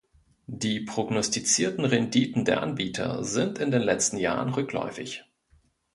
Die prognostizierten Renditen der Anbieter sind in den letzten Jahren rückläufig.